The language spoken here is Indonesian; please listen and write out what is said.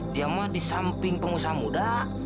dia mah di samping pengusaha muda